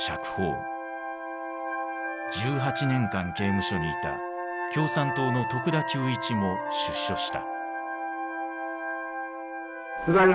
１８年間刑務所にいた共産党の徳田球一も出所した。